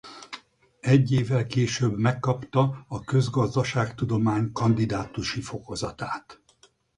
Egy évvel később megkapta a közgazdaságtudomány kandidátusi fokozatát.